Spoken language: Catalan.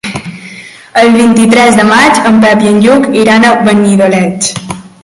El vint-i-tres de maig en Pep i en Lluc iran a Benidoleig.